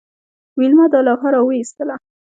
ویلما دا لوحه راویستله